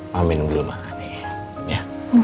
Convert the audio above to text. mami nunggu dulu makan nih ya